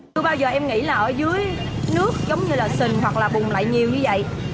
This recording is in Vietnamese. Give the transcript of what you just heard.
tôi bao giờ em nghĩ là ở dưới nước giống như là xình hoặc là bùng lại nhiều như vậy